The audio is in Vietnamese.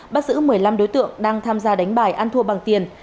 bắt giữ một mươi năm đối tượng đang tham gia đánh bài ăn thua bằng tiền